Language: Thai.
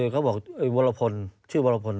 เขาบอกวรพลชื่อวรพล